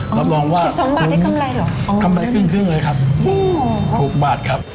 อ๋อ๑๒บาทได้คำไรหรืออ๋อนั่นแหละครับจริงเหรอครับคลุกบาทครับอ๋อนั่นแหละครับคลุกบาทครับ